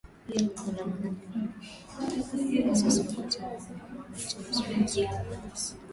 Waandamanaji wawili waliuawa kwa kupigwa risasi wakati wa maandamano nchini Sudan siku ya Alhamis.